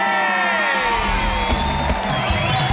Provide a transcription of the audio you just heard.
เกมขอแรงในสัปดาห์นี้